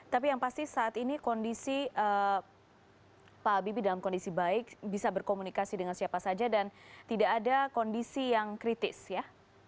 tapi yang pasti saat ini kondisi pak habibie dalam kondisi baik bisa berkomunikasi dengan siapa saja dan tidak ada kondisi yang kritis ya